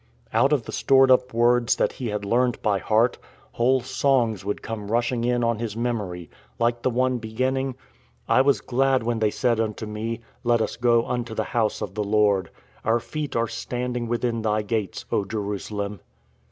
Out of the stored up words that he had learned by heart, whole songs would come rushing in on his memory, like the one beginning, 61 62 IN TRAINING " I was glad when they said unto me, Let us go unto the house of the Lord. Our feet are standing Within thy gates, O Jerusalem."